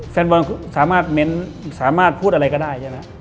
แฟนบอลสามารถคุยสำหรับอะไรก็ได้